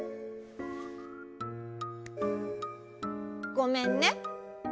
ごめんね。